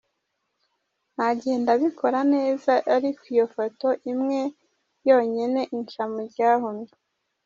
"Nagiye ndabikora neza ariko iyo foto imwe yonyene inca mu ryahumye.